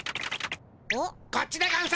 こっちでゴンス。